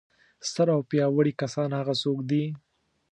ستر او پیاوړي کسان هغه څوک دي.